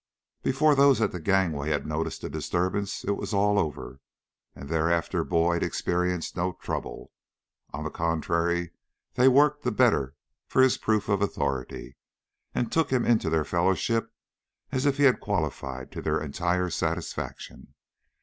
Before those at the gangway had noticed the disturbance it was all over, and thereafter Boyd experienced no trouble. On the contrary, they worked the better for his proof of authority, and took him into their fellowship as if he had qualified to their entire satisfaction.